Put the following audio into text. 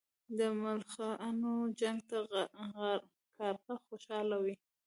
د ملخانو جنګ ته کارغه خوشاله وي.